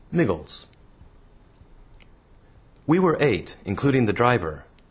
MIGGLES We were eight, including the driver.